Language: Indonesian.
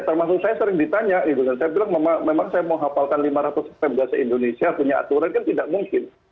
termasuk saya sering ditanya saya bilang memang saya mau hafalkan lima ratus pemda se indonesia punya aturan kan tidak mungkin